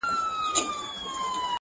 قتل د انسان پۀ بل انسان باندې حرام دى